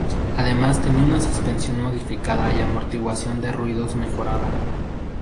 Además tenía una suspensión modificada y amortiguación de ruidos mejorada.